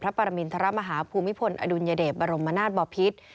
พระปรมินทรมาฮาภูมิพลอดุญเดตบรมนาฏบ่อพิษ